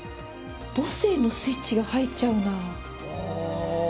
母性のスイッチが入っちゃうなあ。